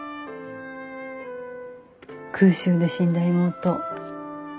空襲で死んだ妹。